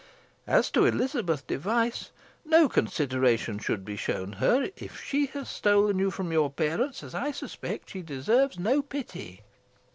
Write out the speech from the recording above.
As to Elizabeth Device, no consideration should be shown her. If she has stolen you from your parents, as I suspect, she deserves no pity."